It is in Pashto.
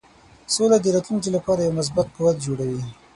سوله د راتلونکې لپاره یو مثبت قوت جوړوي.